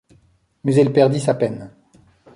Mais elle perdit sa peine.